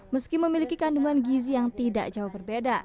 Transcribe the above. meski memiliki kandungan gizi yang tidak jauh berbeda